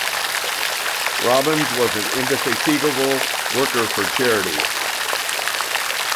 Robbins was an indefatigable worker for charity.